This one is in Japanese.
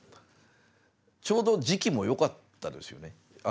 ちょうど時期もよかったですよね。